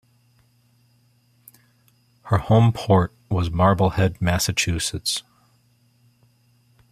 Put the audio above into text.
Her home port was Marblehead, Massachusetts.